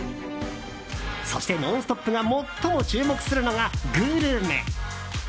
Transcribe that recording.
そして「ノンストップ！」が最も注目するのが、グルメ！